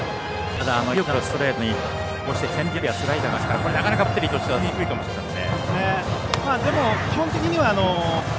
威力のあるストレートにチェンジアップやスライダーがきますから、なかなかバッターとしては絞りにくいかもしれませんね。